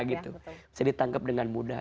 bisa ditangkap dengan mudah